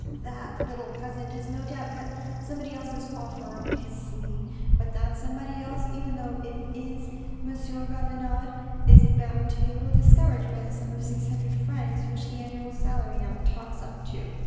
" That little peasant has no doubt got somebody else's offer up his sleeve, but that somebody else, even though it's M. Valenod, is bound to be a little discouraged by the sum of six hundred francs, which the annual salary now tots up to.